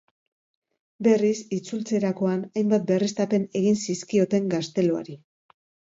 Berriz itzultzerakoan hainbat berriztapen egin zizkioten gazteluari.